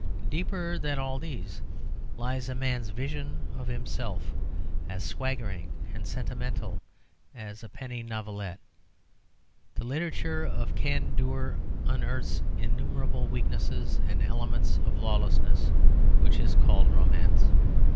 Deeper than all these lies a man's vision of himself, as swaggering and sentimental as a penny novelette. The literature of can dour unearths innumerable weaknesses and elements of lawlessness which is called romance.